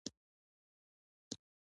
بېرته مخ په ښار روان شوو.